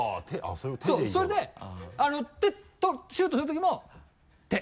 そうそれでシュートするときも手。